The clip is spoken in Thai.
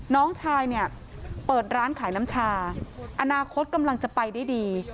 น้องชายเนี่ยเปิดร้านขายน้ำชาอนาคตกำลังจะไปได้ดี